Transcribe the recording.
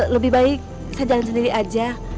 lebih baik saya jalan sendiri aja